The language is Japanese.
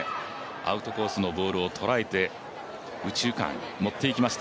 アウトコースのボールを捉えた右中間持っていきました。